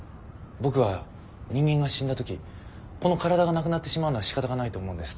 僕は人間が死んだ時この体がなくなってしまうのはしかたがないと思うんです。